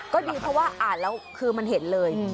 ก็ดีเพราะว่าอ่านแล้วคือมันเห็นเลย